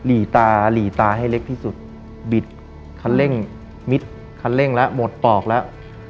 หลีตาหลีตาให้เล็กที่สุดบิดคันเร่งมิดคันเร่งแล้วหมดปอกแล้ว